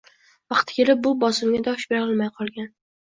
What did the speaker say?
Vaqti kelib bu bosimga dosh berolmay qolgan